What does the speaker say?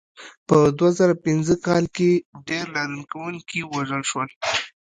په دوه زره پنځه کال کې ډېر لاریون کوونکي ووژل شول.